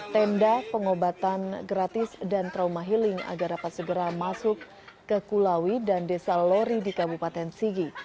tenda pengobatan gratis dan trauma healing agar dapat segera masuk ke kulawi dan desa lori di kabupaten sigi